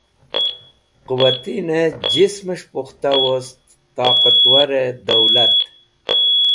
Qẽwatinẽ jismẽs̃h pukhta wost toqatwarẽ dowlat